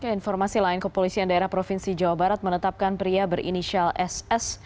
ke informasi lain kepolisian daerah provinsi jawa barat menetapkan pria berinisial ss